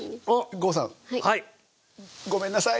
郷さんごめんなさい。